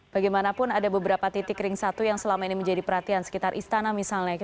bagaimanapun ada beberapa titik ring satu yang selama ini menjadi perhatian sekitar istana misalnya